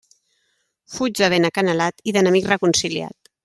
Fuig de vent acanalat i d'enemic reconciliat.